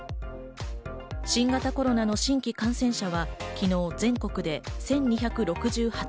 新型コロナの新規感染者は昨日、全国で１２６８人。